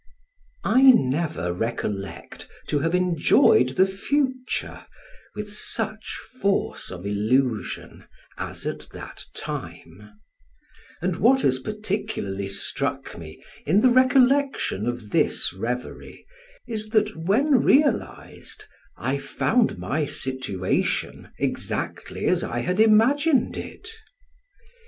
I never recollect to have enjoyed the future with such force of illusions as at that time; and what has particularly struck me in the recollection of this reverie, is that when realized, I found my situation exactly as I had imagined it.